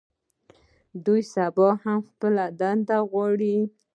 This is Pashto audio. دوی سبا هم خپله ونډه غواړي.